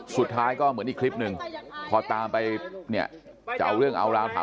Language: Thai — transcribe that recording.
สุดท้ายก็เหมือนอีกคลิปหนึ่ง